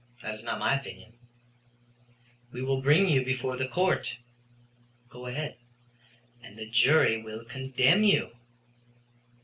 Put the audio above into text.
"That is not my opinion." "We will bring you before the court." "Go ahead." "And the jury will condemn you."